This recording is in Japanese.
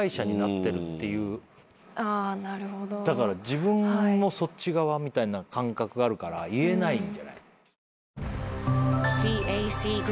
自分もそっち側みたいな感覚があるから言えないんじゃ？